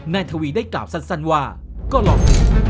นายทวีได้กล่าวสันสันว่าก็หลอก